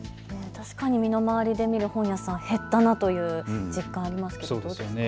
確かに身の回りの本屋さん減ったなという実感はあります。